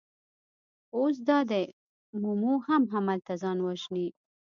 اوس دا دی مومو هم هملته ځان وژني.